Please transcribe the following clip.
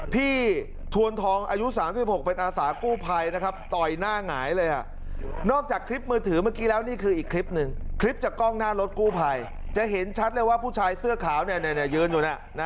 พี่ชวนทองอายุ๓๖เป็นอาสากู้ภัยนะครับต่อยหน้าหงายเลยนอกจากคลิปมือถือเมื่อกี้แล้วนี่คืออีกคลิปหนึ่งคลิปจากกล้องหน้ารถกู้ภัยจะเห็นชัดเลยว่าผู้ชายเสื้อขาวยืนอยู่